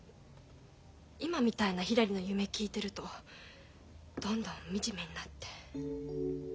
今みたいなひらりの夢聞いてるとどんどん惨めになって。